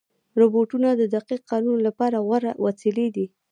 روبوټونه د دقیق کارونو لپاره غوره وسیلې دي.